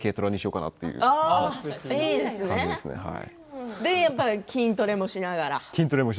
それで筋トレもしながら。